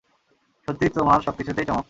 সত্যিই তোমার সবকিছুতেই চমক।